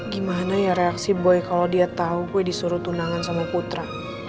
gimana ya reaksi boy kalau dia tahu gue disuruh tunangan sama putra